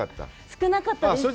少なかったです。